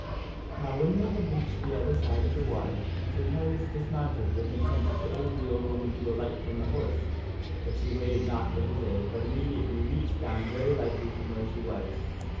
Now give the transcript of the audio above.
Now when they had reached the other side of the water, Sir Pellias dis mounted with intent to aid the old woman to alight from the horse. But she waited not for his aid, but immediately leaped down very lightly from where she was.